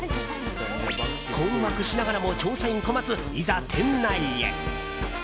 困惑しながらも調査員コマツいざ店内へ。